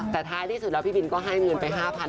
แต่ท้ายที่สุดแล้วพี่บินก็ให้เงินไป๕๐๐๐